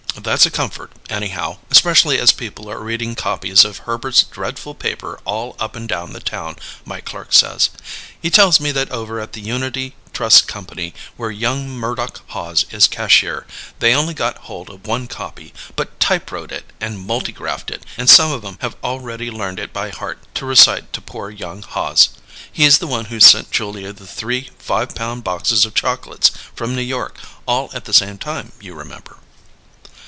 That's a comfort, anyhow, especially as people are reading copies of Herbert's dreadful paper all up and down the town, my clerk says. He tells me that over at the Unity Trust Company, where young Murdock Hawes is cashier, they only got hold of one copy, but typewrote it and multigraphed it, and some of 'em have already learned it by heart to recite to poor young Hawes. He's the one who sent Julia the three fivepound boxes of chocolates from New York all at the same time, you remember."